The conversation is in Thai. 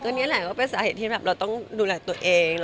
ก็นี่แหละก็เป็นสาเหตุที่แบบเราต้องดูแลตัวเองแล้วค่ะ